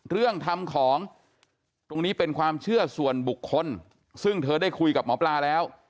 เรื่องทำของตรงนี้เป็นความเชื่อส่วนบุคคลซึ่งเธอได้คุยกับหมอปลาแล้ว